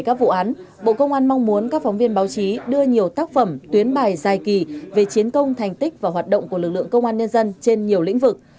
các phóng viên báo chí đưa nhiều tác phẩm tuyến bài dài kỳ về chiến công thành tích và hoạt động của lực lượng công an nhân dân trên nhiều lĩnh vực